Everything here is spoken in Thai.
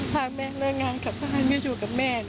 ถ้าแม่เลิกงานกลับบ้านแม่อยู่กับแม่